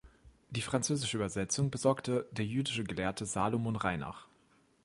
Die französische Übersetzung besorgte der jüdische Gelehrte Salomon Reinach.